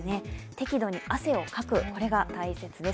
適度に汗をかく、これが大切です。